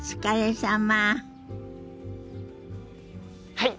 はい！